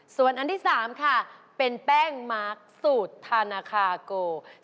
ส่วนอันที่๓ค่ะเป็นแป้งมาร์คสูตรธานาคาโก